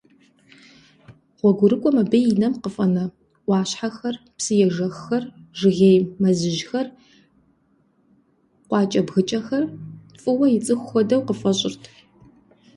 Гъуэгурыкӏуэм абы и нэм къыфӏэнэ ӏуащхьэхэр, псыежэххэр, жыгей мэзыжьхэр, къуакӏэбгыкӏэхэр фӏыуэ ицӏыху хуэдэу къыфӏэщӏырт.